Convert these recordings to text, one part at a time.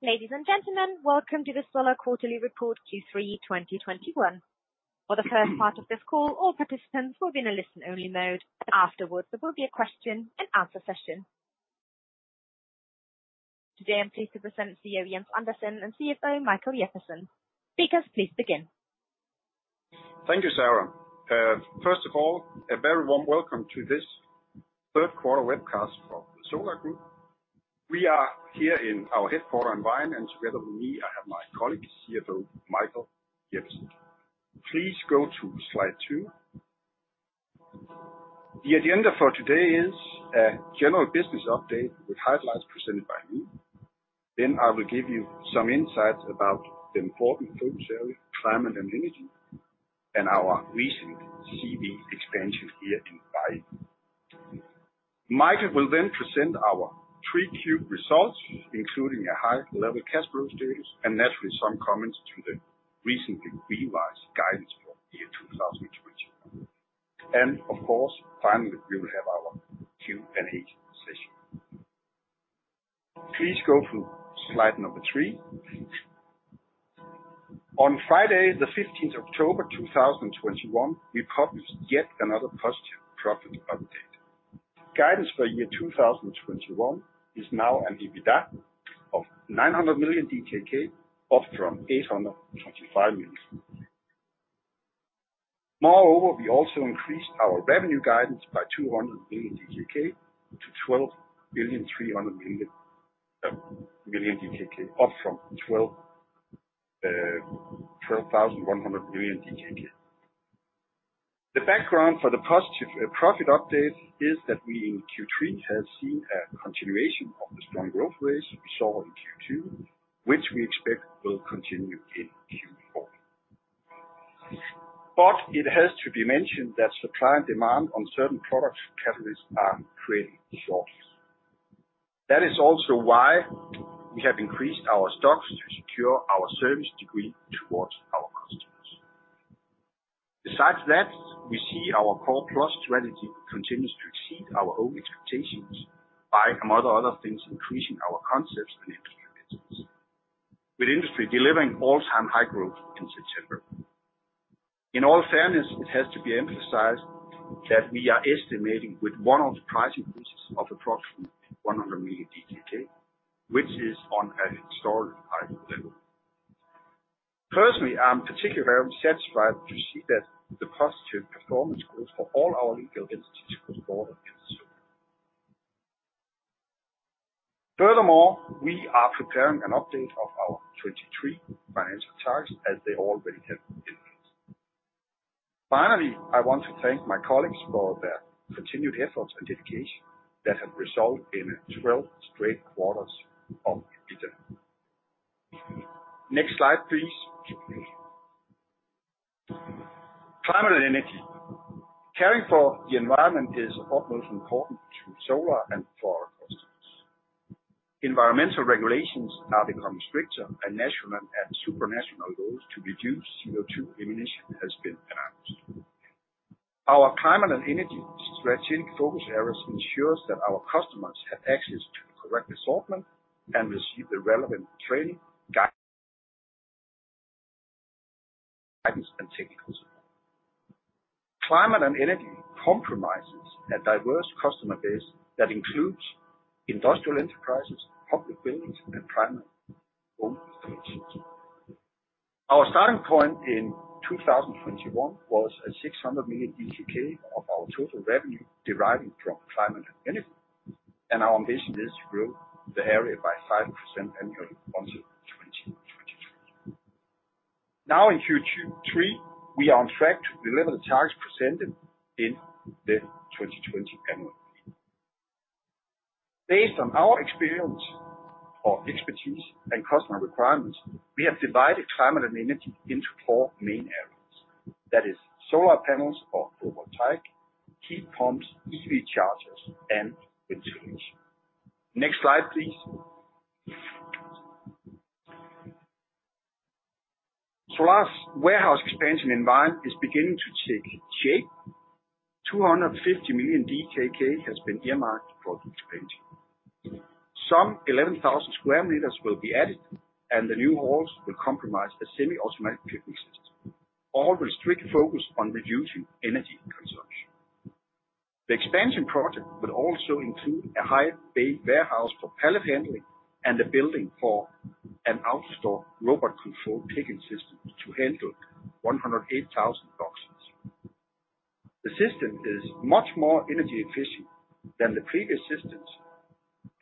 Ladies and gentlemen, welcome to the Solar quarterly report Q3 2021. For the first part of this call, all participants will be in a listen-only mode. Afterwards, there will be a question and answer session. Today, I'm pleased to present CEO Jens Andersen and CFO Michael Jeppesen. Speakers, please begin. Thank you, Sarah. First of all, a very warm welcome to this third quarter webcast for the Solar Group. We are here in our headquarters environment, and together with me, I have my colleague, CFO Michael Jeppesen. Please go to slide two. The agenda for today is a general business update with highlights presented by me. Then I will give you some insights about the important focus area, Climate & Energy, and our recent CW expansion here in Vejen. Michael will then present our Q3 results, including a high-level cash flow status and naturally, some comments to the recently revised guidance for 2021. Of course, finally, we will have our Q&A session. Please go to slide number three. On Friday, the 15th October 2021, we published yet another positive profit update. Guidance for 2021 is now an EBITDA of 900 million DKK, up from 825 million. Moreover, we also increased our revenue guidance by 200 million DKK to 12.3 billion, up from 12.1 billion DKK. The background for the positive profit update is that we in Q3 have seen a continuation of the strong growth rates we saw in Q2, which we expect will continue in Q4. It has to be mentioned that supply and demand on certain product categories are creating shortages. That is also why we have increased our stocks to secure our service degree towards our customers. Besides that, we see our Core+ strategy continues to exceed our own expectations by, among other things, increasing our concepts and industry business, with industry delivering all-time high growth in September. In all fairness, it has to be emphasized that we are estimating with one-off price increases of approximately 100 million, which is on a historical high level. Personally, I'm particularly very satisfied to see that the positive performance growth for all our legal entities was broader than the same. Furthermore, we are preparing an update of our 2023 financial targets, as they already have been released. Finally, I want to thank my colleagues for their continued efforts and dedication that have resulted in 12 straight quarters of EBITDA. Next slide, please. Climate & Energy. Caring for the environment is of utmost importance to Solar and for our customers. Environmental regulations are becoming stricter, and national and supranational goals to reduce CO2 emission has been enhanced. Our Climate and Energy strategic focus areas ensures that our customers have access to the correct assortment and receive the relevant training, guide items and technical support. Climate and Energy comprises a diverse customer base that includes industrial enterprises, public buildings, and private home installations. Our starting point in 2021 was 600 million of our total revenue deriving from Climate and Energy, and our ambition is to grow the area by 5% annually until 2022. Now in Q3, we are on track to deliver the targets presented in the 2020 annual. Based on our experience and expertise and customer requirements, we have divided Climate and Energy into four main areas. That is solar panels or photovoltaic, heat pumps, EV chargers, and wind turbines. Next slide, please. Solar's warehouse expansion investment is beginning to take shape. 250 million DKK has been earmarked for the expansion. Some 11,000 sq m will be added, and the new halls will comprise a semi-automatic picking system, all with strict focus on reducing energy consumption. The expansion project will also include a high bay warehouse for pallet handling and a building for an AutoStore robot-controlled picking system to handle 108,000 boxes. The system is much more energy efficient than the previous systems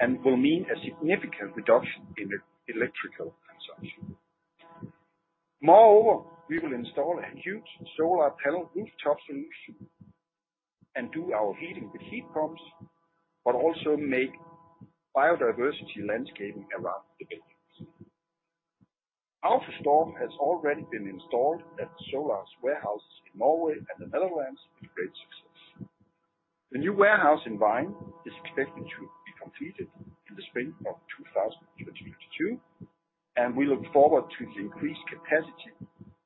and will mean a significant reduction in electrical consumption. Moreover, we will install a huge solar panel rooftop solution and do our heating with heat pumps, but also make biodiversity landscaping around the buildings. AutoStore has already been installed at Solar's warehouses in Norway and the Netherlands with great success. The new warehouse in Vejen is expected to be completed in the spring of 2022, too. We look forward to the increased capacity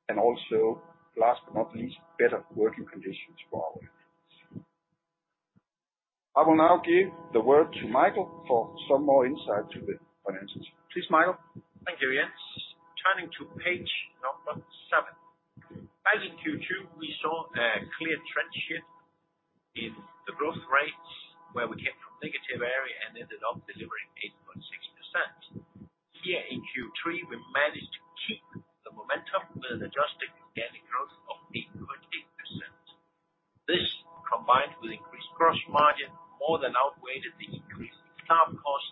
and also, last but not least, better working conditions for our employees. I will now give the word to Michael for some more insight to the financials. Please, Michael. Thank you, Jens. Turning to page seven. As in Q2, we saw a clear trend shift in the growth rates where we came from negative area and ended up delivering 8.6%. Here in Q3, we managed to keep the momentum with adjusted organic growth of 8.8%. This, combined with increased gross margin, more than outweighed the increase in staff cost,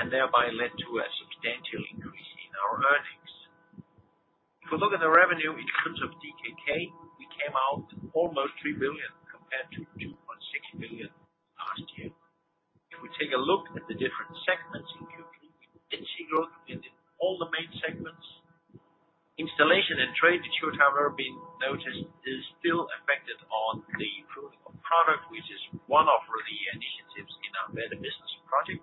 and thereby led to a substantial increase in our earnings. If you look at the revenue in terms of DKK, we came out almost 3 billion, compared to 2.6 billion last year. If we take a look at the different segments in Q3, you can see growth in all the main segments. Installation and trade, which you would have noticed, is still affected by the improving of product, which is one of the initiatives in our Better Business project,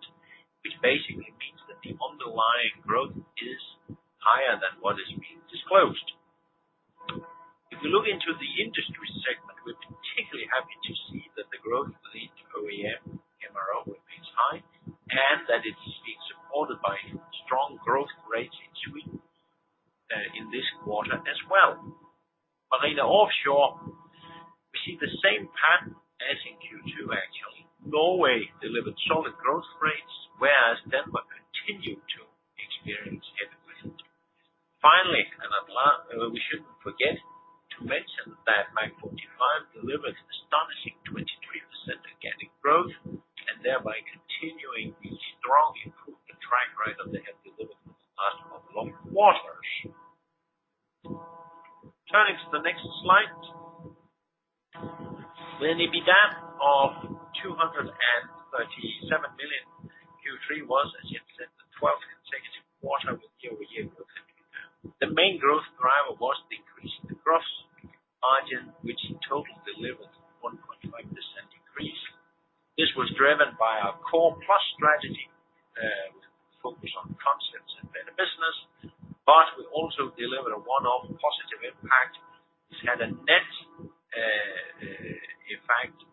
which basically means that the underlying growth is higher than what is being disclosed. If you look into the industry segment, we're particularly happy to see that the growth related to OEM/MRO remains high, and that it's being supported by strong growth rates in Sweden in this quarter as well. In the offshore, we see the same pattern as in Q2 actually. Norway delivered solid growth rates, whereas Denmark continued to experience headwind. Finally, we shouldn't forget to mention that MAG45 delivered astonishing 23% organic growth, and thereby continuing the strong improvement track record they have delivered as of late quarters. Turning to the next slide. The EBITDA of 237 million Q3 was, as Jens said, the 12th consecutive quarter with year-over-year growth. The main growth driver was decreasing the gross margin, which in total delivered 1.5% increase. This was driven by our Core+ strategy with focus on concepts in Better Business, but we also delivered a one-off positive impact which had a net effect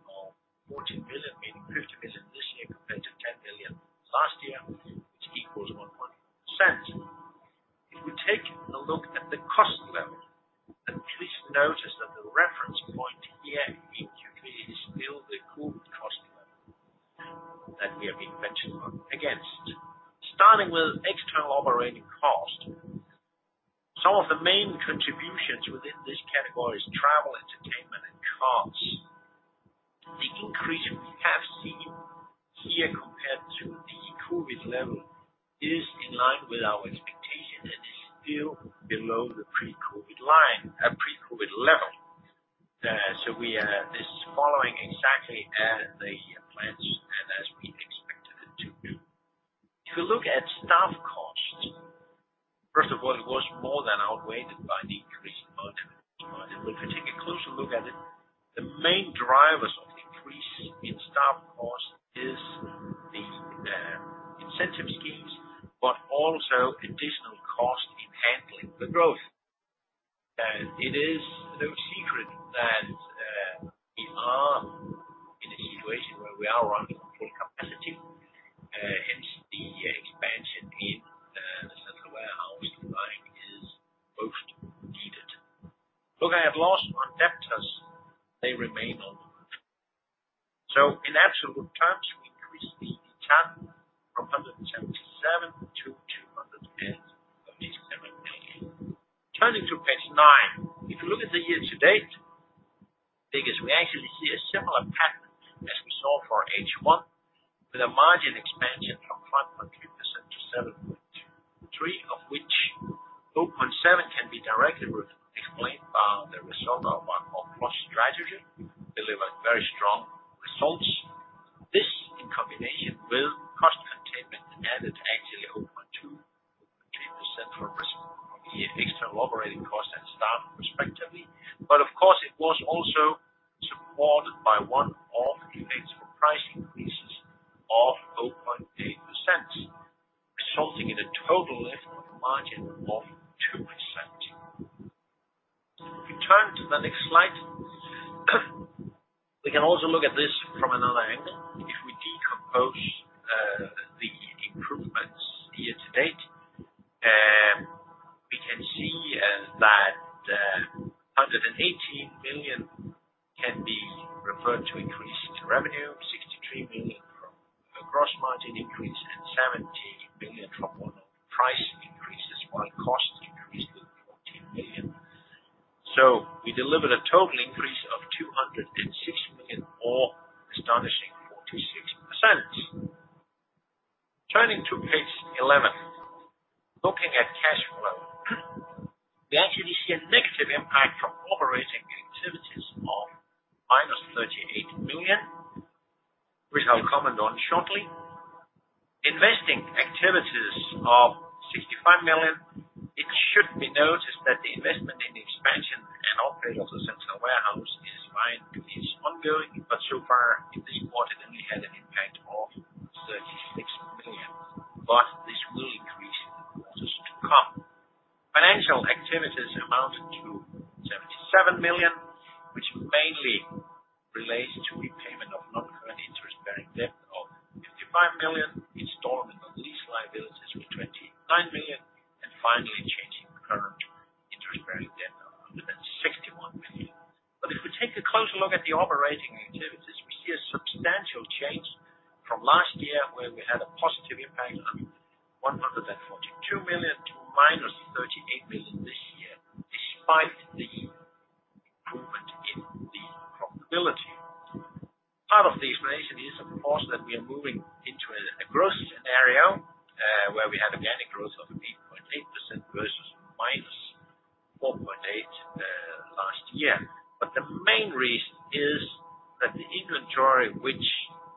of DKK 14 million, meaning DKK 50 million this year compared to DKK 10 million last year, which equals 1.5%. If we take a look at the cost level, please notice that the reference point here in Q3 is still the COVID cost level that we have been benchmarking against. Starting with external operating cost, some of the main contributions within this category is travel, entertainment, and cars. The increase we have seen here compared to the COVID level is in line with our expectation, and is still below the pre-COVID level. This is following exactly as they planned and as we expected it to do. If you look at staff costs, first of all, it was more than outweighed by the increased gross margin. If you take a closer look at it, the main drivers of increase in staff cost is the incentive schemes, but also additional cost in handling the growth. It is no secret that we are in a situation where we are running on full capacity, hence the expansion in the central warehouse in Vejen is most needed. Looking at last one, debtors, they remain on the move. In absolute terms, we increased the churn from 177 million to 237 million. Turning to page nine. If you look at the year-to-date figures, we actually see a similar pattern as we saw for H1, with a margin expansion from 5.2% to 7.3%, of which 0.7% can be directly explained by the result of our Core+ strategy, delivering very strong results. This, in combination with cost containment, added, actually, up to 20% savings from the external operating costs and staff respectively. Of course, it was also supported by one-off effects from price increases of 4.8%, resulting in a total lift of the margin of 2%. If we turn to the next slide, we can also look at this from another angle. If we decompose the improvements year-to-date, we can see that under the DKK 18 million can be referred to increased revenue, DKK 63 million from a gross margin increase and DKK 70 million from one-off price increases, while costs increased to DKK 14 million. We delivered a total increase of 206 million or astonishing 46%. Turning to page 11. Looking at cash flow, we actually see a negative impact from operating activities of minus 38 million, which I'll comment on shortly. Investing activities of 65 million. It should be noticed that the investment in expansion and upgrade of the central warehouse ongoing, but so far in the quarter only had an impact of 36 million, but this will increase in the quarters to come. Financial activities amounted to 77 million, which mainly relates to repayment of non-current interest-bearing debt of 55 million, installment of lease liabilities was 29 million, and finally changing the current interest-bearing debt of DKK 161 million. If we take a closer look at the operating activities, we see a substantial change from last year where we had a positive impact on 142 million to -38 million this year, despite the improvement in the profitability. Part of the explanation is, of course, that we are moving into a growth scenario, where we have organic growth of 8.8% versus -4.8% last year. The main reason is that the inventory which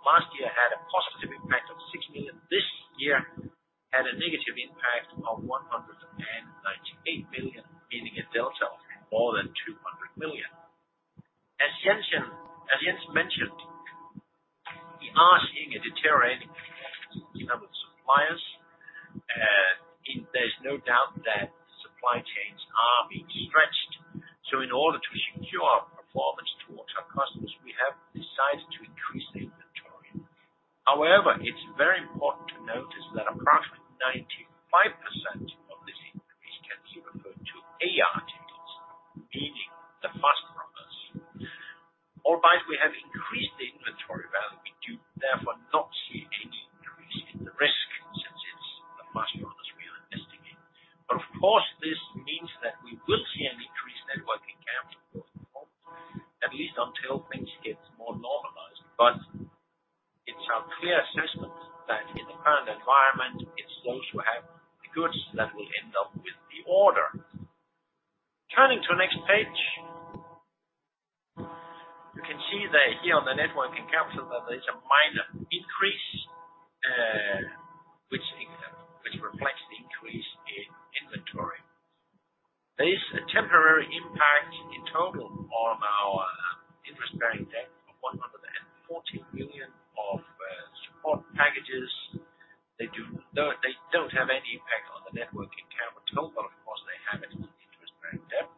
last year had a positive impact of 6 million, this year had a negative impact of 198 million, meaning a delta of more than 200 million. As Jens mentioned, we are seeing a deteriorating performance in our suppliers. There's no doubt that supply chains are being stretched. In order to secure our performance towards our customers, we have decided to increase the inventory. However, it's very important to notice that approximately 95% of this increase can be referred to A items, meaning the fast movers. Although we have increased the inventory value, we do therefore not see any increase in the risk since it's the fast movers we are investing in. Of course, this means that we will see an increase in working capital going forward, at least until things get more normalized. It's our clear assessment that in the current environment, it's those who have the goods that will end up with the order. Turning to the next page. You can see that here on the net working capital that there is a minor increase, which reflects the increase in inventory. There is a temporary impact in total on our interest-bearing debt of 114 million of support packages. They don't have any impact on the net working capital, but of course, they have an impact on interest-bearing debt.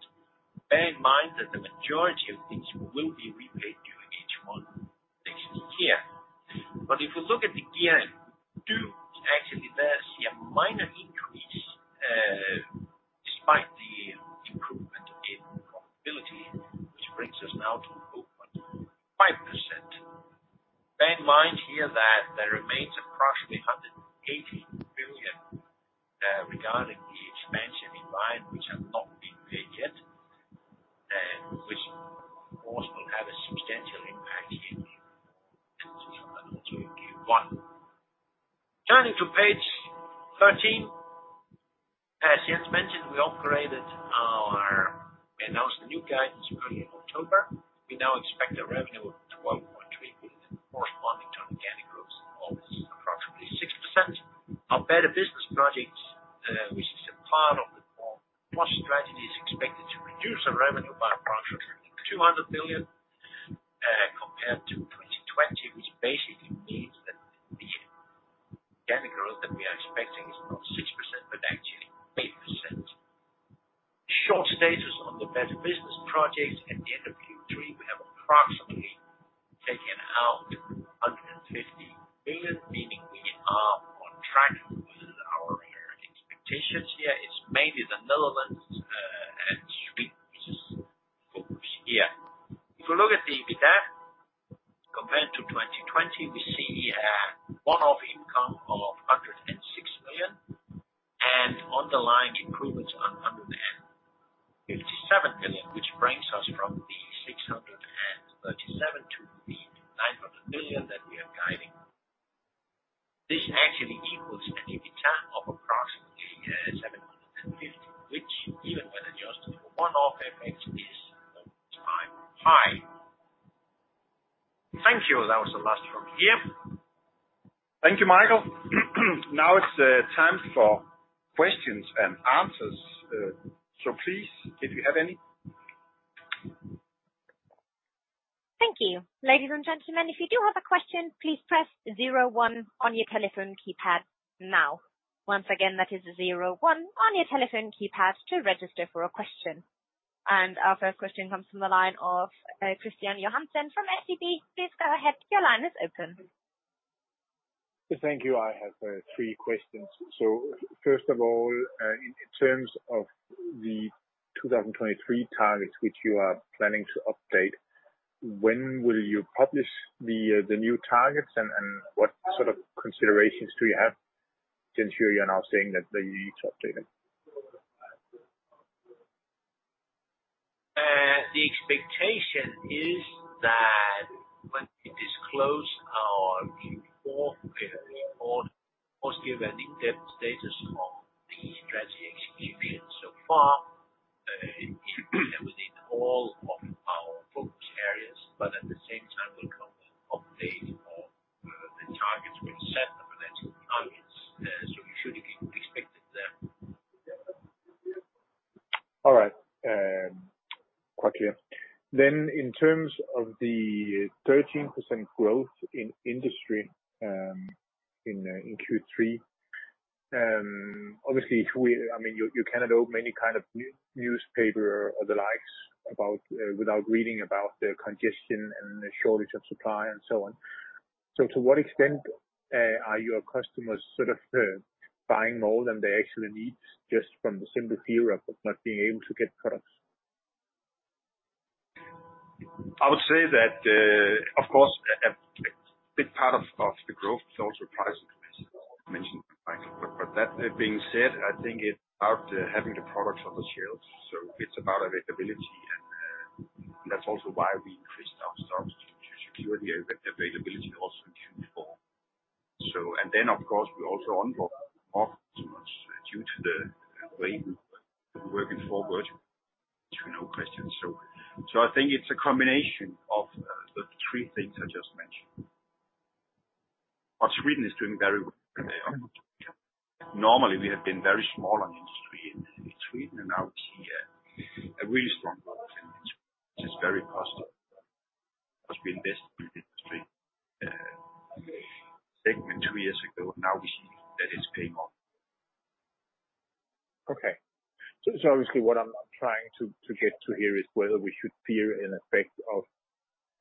Bear in mind that the majority of these will be repaid during H1 next year. If you look at the gearing, it's actually we see a minor increase, despite the improvement in profitability, which brings us now to 0.5%. Bear in mind here that there remains approximately DKK 180 million, regarding the expansion in line which have not been paid yet, which of course will have a substantial impact in Q1. Turning to page thirteen. As Jens mentioned, we announced the new guidance early in October. We now expect a revenue of 12.3 billion corresponding to organic growth of approximately 6%. Our Better Business projects, which is a part of the More strategy, is expected to reduce our revenue by approximately 200 million, compared to 2020, which basically means that the organic growth that we are expecting is not 6%, but actually 8%. Short status on the Better Business projects. At the end of Q3, we have approximately taken out DKK 150 million, meaning we are on track with our expectations here. It's mainly the Netherlands and Spain which is focused here. If you look at the EBITDA compared to 2020, we see a one-off income of DKK 106 million and underlying improvements on 157 million, which brings us from the 637 million to the 900 million that we are guiding. This actually equals an EBITDA of approximately 750 million, which even when adjusted for one-off effects is all-time high. Thank you. That was the last one here. Thank you, Michael. Now it's time for questions and answers. Please, if you have any. Thank you. Ladies and gentlemen, if you do have a question, please press zero one on your telephone keypad now. Once again, that is zero one on your telephone keypad to register for a question. Our first question comes from the line of Christian Johansson from SEB. Please go ahead. Your line is open. Thank you. I have three questions. First of all, in terms of the 2023 targets which you are planning to update, when will you publish the new targets? What sort of considerations do you have since here you're now saying that they need to update them? The expectation is that when we disclose our Q4, where we report positive net debt status of the strategy execution so far, that was in all of our focus areas, but at the same time we'll. [inaudible] All right. Quite clear. In terms of the 13% growth in industry, in Q3, obviously I mean, you cannot open any kind of newspaper or the like without reading about the congestion and the shortage of supply and so on. To what extent are your customers sort of buying more than they actually need, just from the simple fear of not being able to get products? I would say that, of course a big part of the growth is also price increase, as mentioned by Michael. That being said, I think it's about having the products on the shelves, so it's about availability and that's also why we increased our stocks to secure the availability also in Q4. Of course, we also unlocked customers due to the way we're working forward, no question. I think it's a combination of the three things I just mentioned. Sweden is doing very well. Normally we have been very small on industry in Sweden and now we see a really strong growth in it, which is very positive. Because we invested in industry segment two years ago, now we see that it's paying off. Okay. Obviously what I'm trying to get to here is whether we should fear an effect of,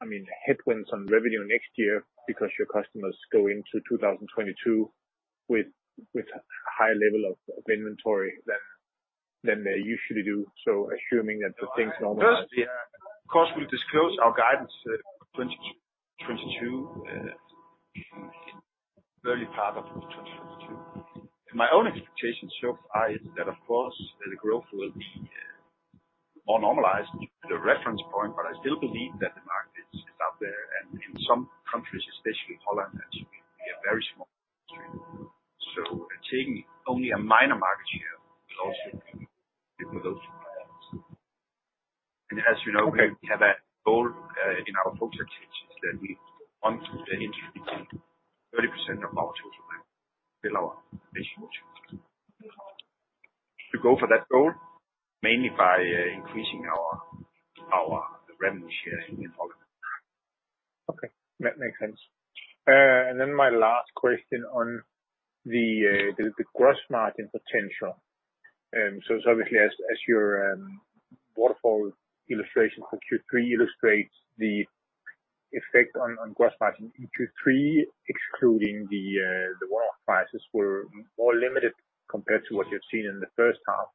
I mean, headwinds on revenue next year because your customers go into 2022 with high level of inventory than they usually do, assuming that the things normalize. First, yeah, of course we disclose our guidance for 2022, early part of 2022. My own expectations so far is that of course the growth will be more normalized to the reference point, but I still believe that the market is out there and in some countries, especially Holland, actually we are very small. So taking only a minor market share will also be good for those suppliers. As you know, we have a goal in our focus strategies that we want the industry to be 30% of our total revenue, below our Okay. That makes sense. My last question on the gross margin potential. Obviously, as your waterfall illustration for Q3 illustrates the effect on gross margin in Q3, excluding the raw prices were more limited compared to what you've seen in the first half.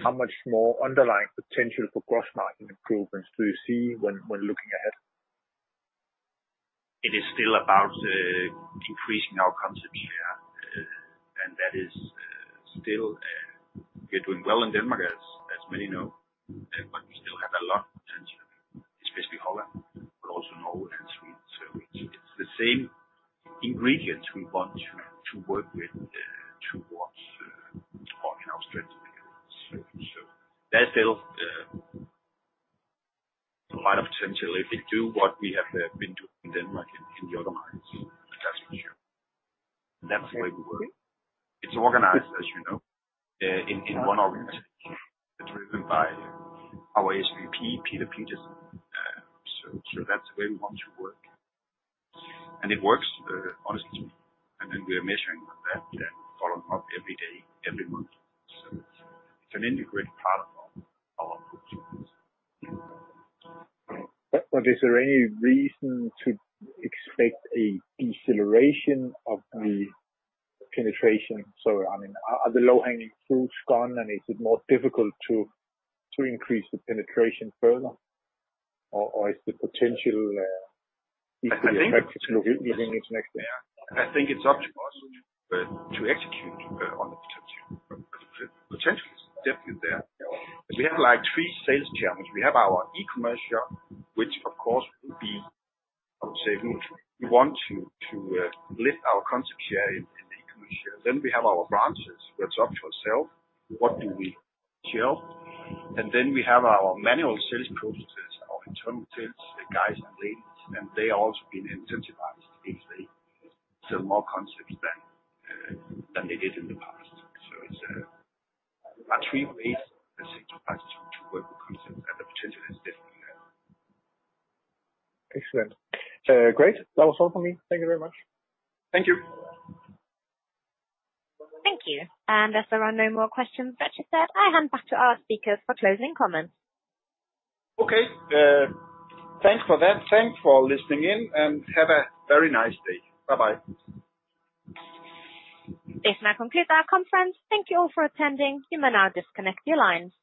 How much more underlying potential for gross margin improvements do you see when looking ahead? It is still about increasing our concept here, and that is still we are doing well in Denmark as many know, but we still have a lot of potential, especially Holland, but also Norway and Sweden. It's the same ingredients we want to work with toward our strategy. That's still a lot of potential if we do what we have been doing in Denmark and in the other markets. That's the way we work. It's organized, as you know, in one organization driven by our SVP, Peter Pedersen. That's the way we want to work. It works honestly. We are measuring that and follow up every day, every month. It's an integrated part of our approach. Is there any reason to expect a deceleration of the penetration? I mean, are the low-hanging fruits gone and is it more difficult to increase the penetration further? Is the potential easy to expect even next year? I think it's up to us to execute on the potential. The potential is definitely there. We have like three sales channels. We have our e-commerce shop, which of course will be, I would say, we want to lift our concept here in the e-commerce share. We have our branches where it's up to ourself, what do we sell? We have our manual sales processes, our internal sales guys and ladies, and they are also being incentivized if they sell more concepts than they did in the past. It's about three ways to work with concepts and the potential is definitely there. Excellent. Great. That was all for me. Thank you very much. Thank you. Thank you. As there are no more questions virtually, I hand back to our speakers for closing comments. Okay. Thanks for that. Thanks for listening in, and have a very nice day. Bye-bye. This now concludes our conference. Thank you all for attending. You may now disconnect your lines.